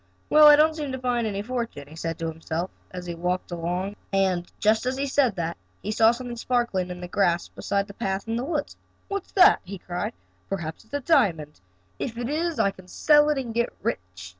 "Well, I don't seem to find any fortune," he said to himself as he walked along, and, just as he said that he saw something sparkling in the grass beside the path in the woods. "What's that?" he cried. "Perhaps it is a diamond. If it is I can sell it and get rich."